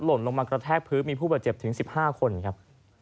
หล่นลงมากระแทกพื้นมีผู้เจ็บถึงสิบห้าคนครับ